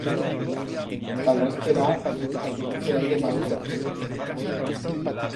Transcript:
Caldrá esperar a que bufe l'aire mas fuerte.